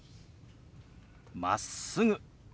「まっすぐ」。